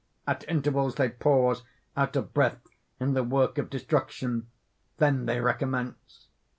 At intervals they pause, out of breath, in the work of destruction; then they recommence.